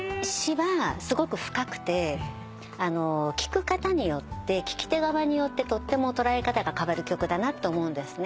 詞はすごく深くて聴く方によって聴き手側によってとっても捉え方が変わる曲だなと思う。